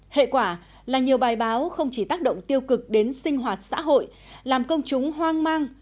hệ quả là nhiều bài báo không chỉ tác động tiêu cực đến sinh hoạt xã hội làm công chúng hoang mang